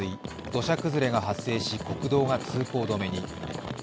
土砂崩れが発生し、国道が通行止めに。